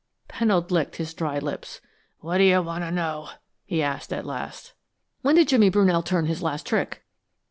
Pennold licked his dry lips. "What do you want to know?" he asked, at last. "When did Jimmy Brunell turn his last trick?"